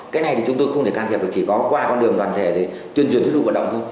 cái này thì chúng tôi không thể can thiệp được chỉ có qua con đường đoàn thể để tuyên truyền thuyết lưu vận động thôi